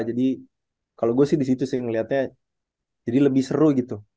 jadi kalau gue sih disitu sih ngeliatnya jadi lebih seru gitu